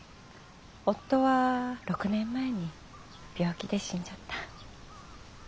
夫は６年前に病気で死んじゃった。